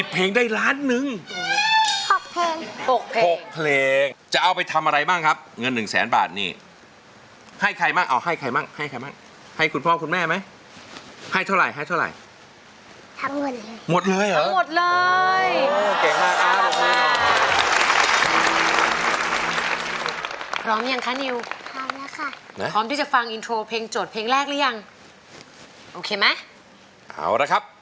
๑๐เพลงบ๊วยบ๊วยบ๊วยบ๊วยบ๊วยบ๊วยบ๊วยบ๊วยบ๊วยบ๊วยบ๊วยบ๊วยบ๊วยบ๊วยบ๊วยบ๊วยบ๊วยบ๊วยบ๊วยบ๊วยบ๊วยบ๊วยบ๊วยบ๊วยบ๊วยบ๊วยบ๊วยบ๊วยบ๊วยบ๊วยบ๊วยบ๊วยบ๊วยบ๊วยบ๊วยบ๊